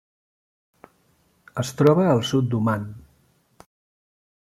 Es troba al sud d'Oman.